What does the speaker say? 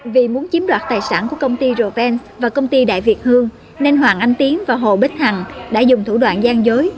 vì muốn chiếm đoạt tài sản của công ty repen và công ty đại việt hương nên hoàng anh tiến và hồ bích hằng đã dùng thủ đoạn gian dối